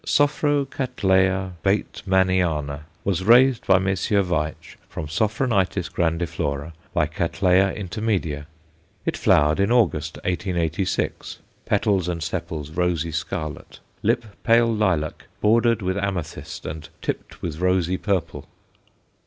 Sophro Cattleya Batemaniana was raised by Messrs. Veitch from Sophronitis grandiflora × Catt. intermedia. It flowered in August, 1886; petals and sepals rosy scarlet, lip pale lilac bordered with amethyst and tipped with rosy purple.